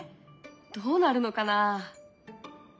どうなるのかな？